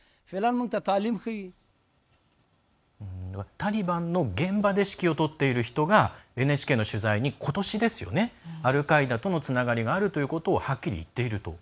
タリバンの現場で指揮を執っている人がＮＨＫの取材に、ことしアルカイダとのつながりがあるとはっきり言っていると。